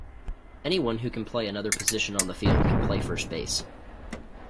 Anyone who can play another position on the field can play first base.